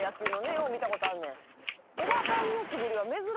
よう見たことあんねん。